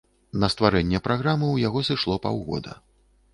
На стварэнне праграмы ў яго сышло паўгода.